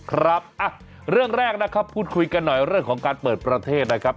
ครับเรื่องแรกนะครับพูดคุยกันหน่อยเรื่องของการเปิดประเทศนะครับ